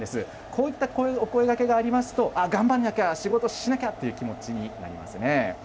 こういったお声がけがあっ、頑張んなきゃ、仕事しなきゃという気持ちになりますよね。